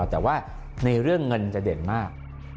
แต่ว่าในเรื่องเงินจะเด่นมาก